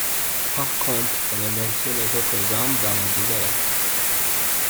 Par contre elle maintient les autres âmes dans la douleur.